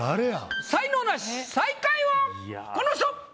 才能ナシ最下位はこの人！